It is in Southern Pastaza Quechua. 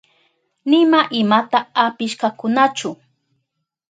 Nima imata apishkakunachu.